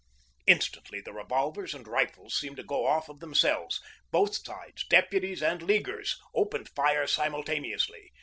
Instantly the revolvers and rifles seemed to go off of themselves. Both sides, deputies and Leaguers, opened fire simultaneously.